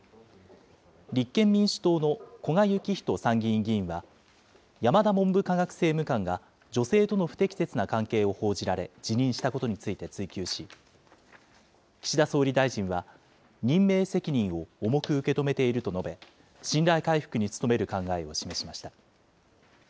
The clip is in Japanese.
立憲民主党の古賀之士参議院議員は、山田文部科学政務官が女性との不適切な関係を報じられ、辞任したことについて追及し、岸田総理大臣は、任命責任を重く受け止めていると述べ、信頼回復に努める考えを示しました。